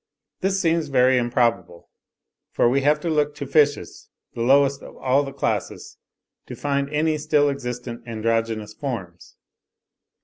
This seems very improbable, for we have to look to fishes, the lowest of all the classes, to find any still existent androgynous forms.